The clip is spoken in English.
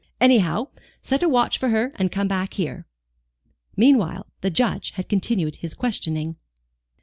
Anyhow, set a watch for her and come back here." Meanwhile, the Judge had continued his questioning.